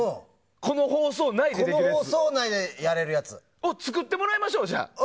この放送内でできるやつを作ってもらいましょう。